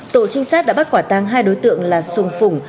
tổ trinh sát đã bắt quả tang hai đối tượng là sùng phủng